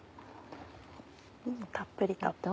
たっぷりと。